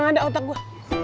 gak ada otak gua